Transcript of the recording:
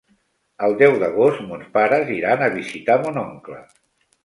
El deu d'agost mons pares iran a visitar mon oncle.